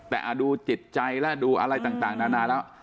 แต่ดูจิตใจและดูอะไรต่างนานาแล้ว